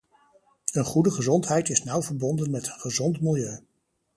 Een goede gezondheid is nauw verbonden met een gezond milieu.